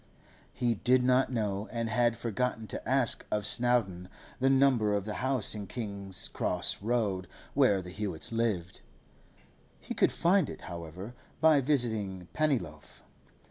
He did not know, and had forgotten to ask of Snowdon, the number of the house in King's Cross Road where the Hewetts lived. He could find it, however, by visiting Pennyloaf.